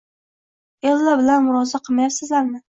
Ella bilan murosa qilmayapsizlarmi